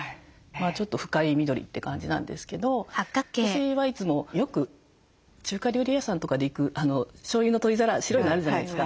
ちょっと深い緑って感じなんですけど私はいつもよく中華料理屋さんとかで行くしょうゆの取り皿白いのあるじゃないですか。